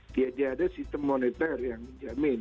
tidak ada sistem monitor yang menjamin